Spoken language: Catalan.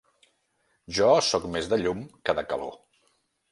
Jo soc més de llum que de calor.